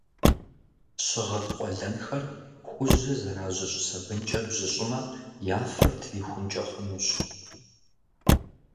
Щыгъын къуэлэнхэр хужьыр зэражьыщӏ сабынкӏэ бжьыщӏмэ, я фэр трихункӏэ хъунущ.